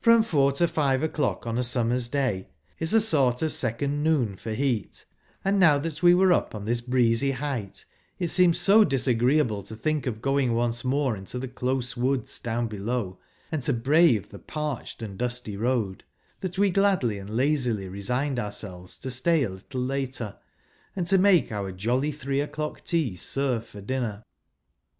From four to five o'clock on a summer's 450 HOUSEHOLD WORDS. (lay ia a sort of second noon for heat ; and now that we were up on this breezy lieight, it seemed so disagreeable to think of going once more into the close woods down below, and to brave the parched and dusty road, that we gladly and lazily re¬ signed ourselves to stay a little later, and to make our jolly three o'clock tea serve for dinner.